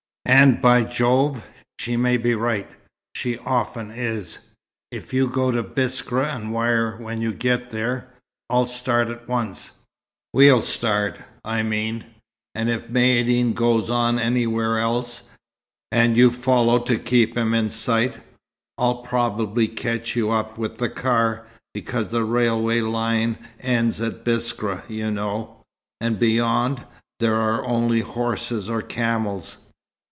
And by Jove, she may be right. She often is. If you go to Biskra and wire when you get there, I'll start at once we'll start, I mean. And if Maïeddine goes on anywhere else, and you follow to keep him in sight, I'll probably catch you up with the car, because the railway line ends at Biskra, you know; and beyond, there are only horses or camels."